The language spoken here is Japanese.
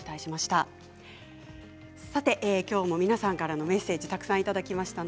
きょうも皆さんからのメッセージたくさんいただきました。